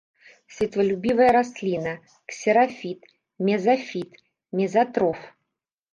Святлолюбівая расліна, ксерафіт, мезафіт, мезатроф.